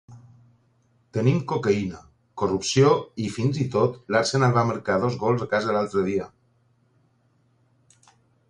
Tenim cocaïna, corrupció i, fins i tot, l'Arsenal va marcar dos gols a casa l'altre dia.